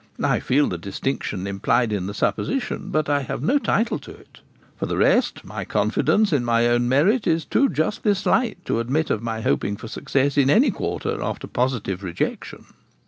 I feel the distinction implied in the supposition, but I have no title to it. For the rest, my confidence in my own merit is too justly slight to admit of my hoping for success in any quarter after positive rejection.'